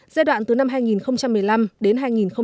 giai đoạn từ năm hai nghìn một mươi năm đến hai nghìn hai mươi